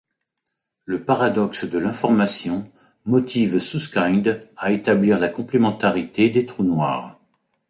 Le paradoxe de l'information motive Susskind à établir la complémentarité des trous noirs.